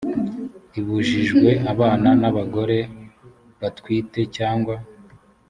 ibujijwe abana n abagore batwite cyangwa